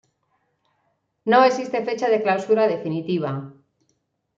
No existe fecha de clausura definitiva.